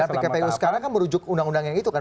dan pkpu sekarang kan merujuk undang undang yang itu kan